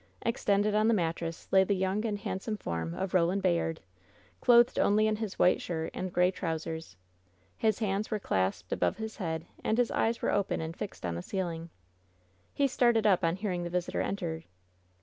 Extended on the mattress lay the young and handsome form of Roland Bayard, clothed only in his white shirt and gray trousers. His hands were clasped above his head and his eyes were open and fixed on the ceiling. He started up on hearing the visitor enter.